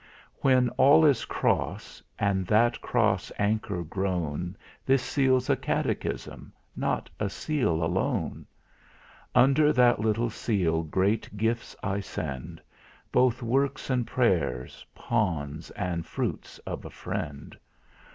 When all is Cross, and that Cross Anchor grown This Seal's a Catechism, not a Seal alone. Under that little Seal great gifts I send, Both works and pray'rs, pawns and fruits of a friend.